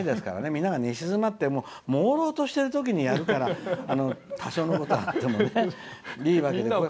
皆さん寝静まってもうろうとしてるときにやるから多少のことがあってもねいいわけで。